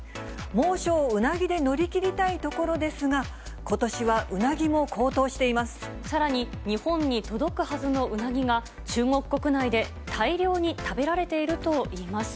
猛暑をうなぎで乗り切りたいところですが、ことしはうなぎも高騰さらに、日本に届くはずのうなぎが、中国国内で大量に食べられているといいます。